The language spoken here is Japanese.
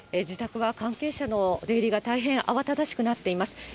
自宅は関係者の出入りが大変慌ただしくなっています。